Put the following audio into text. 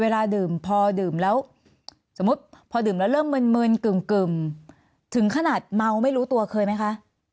เวลาดื่มพอดื่มแล้วสมมุติพอดื่มแล้วเริ่มมึนกึ่มถึงขนาดเมาไม่รู้ตัวเคยไหมคะ